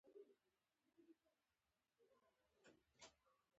ایا زه اوس ګرځیدلی شم؟